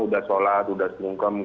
sudah sholat sudah sungkam